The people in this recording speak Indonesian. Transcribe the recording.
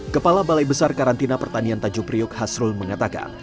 kepala balai besar karantina pertanian tanjung priuk hasrul mengatakan